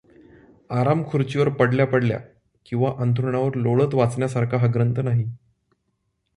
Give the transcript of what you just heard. आरामखुर्चीवर पडल्या पडल्या किंवा अंथरुणावर लोळत वाचण्यासारखा हा ग्रंथ नाही.